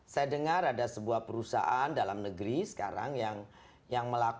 saya dengar ada sebuah perusahaan dalam negeri sekarang yang melakukan illegal fishing dengan berat